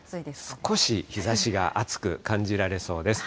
少し日ざしが暑く感じられそうです。